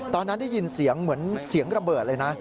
ตอนนั้นได้ยินเสียงเหมือนเสียงระเบิดเลยนะ